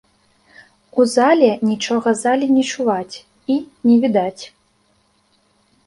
У зале нічога зале не чуваць і не відаць.